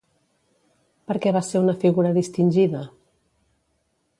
Per què va ser una figura distingida?